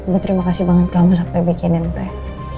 gue terima kasih banget kamu sampai bikinin teh